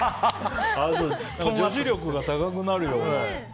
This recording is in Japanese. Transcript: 女子力が高くなるような。